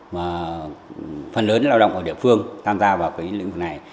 và phần lớn lao động ở địa phương tham gia vào lĩnh vực này